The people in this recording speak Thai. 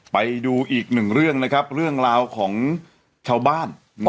ไปดูอีกหนึ่งเรื่องนะครับเรื่องราวของชาวบ้าน